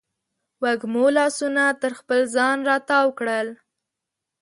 وږمو لاسونه تر خپل ځان راتاو کړل